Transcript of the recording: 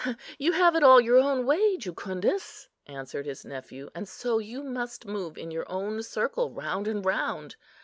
"You have it all your own way, Jucundus," answered his nephew, "and so you must move in your own circle, round and round.